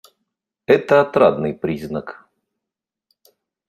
Это отрадный признак.